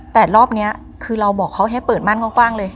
แต่รอบนี้คือเราบอกเขาให้เปิดมั่นกว้างเลย